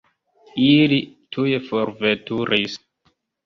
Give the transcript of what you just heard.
Ili tuj forveturis.